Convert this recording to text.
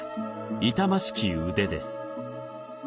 「傷ましき腕」です。